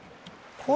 これ？